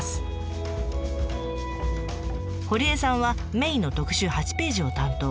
堀江さんはメインの特集８ページを担当。